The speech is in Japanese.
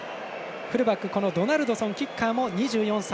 フルバック、ドナルドソンキッカーも２４歳。